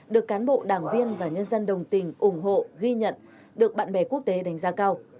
được cán bộ đảng viên và nhân dân đồng tình ủng hộ ghi nhận được bạn bè quốc tế đánh giá cao